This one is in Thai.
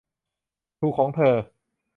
ถูกของเธอ